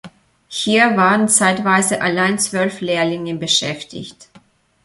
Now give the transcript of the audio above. Hier waren zeitweise allein zwölf Lehrlinge beschäftigt.